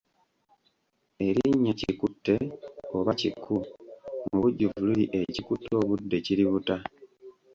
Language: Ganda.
Erinnya Kikutte oba Kiku mu bujjuvu liri Ekikutte obudde kiributa.